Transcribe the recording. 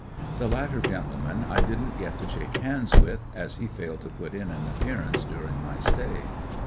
The latter gentleman I didn't get to shake hands with as he failed to put in an appearance during my stay.